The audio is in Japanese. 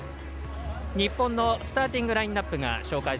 日本のスターティングラインアップです。